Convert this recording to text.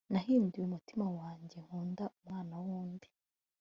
Nahinduye umutima wanjye Nkunda umwana wundi